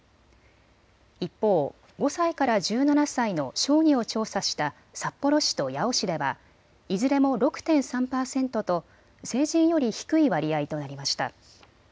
一方、５歳から１７歳の小児を調査した札幌市と八尾市ではいずれも６．３％と成人より低い割合となりました。